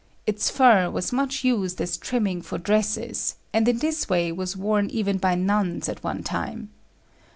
Its fur was much used as trimming for dresses, and in this way was worn even by nuns at one time.